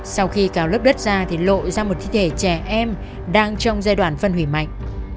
sau khi cào lớp đất ra thì lội ra một thi thể trẻ em đang trong giai đoạn phân hủy mạnh